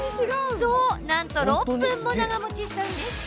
なんと６分も長もちしたんです。